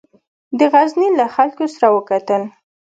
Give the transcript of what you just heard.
د غزني له خلکو سره وکتل.